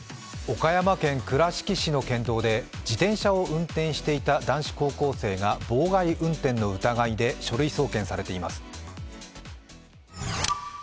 岡山県倉敷市の県道で自転車を運転していた男子高校生が妨害運転の疑いで書類送検されています。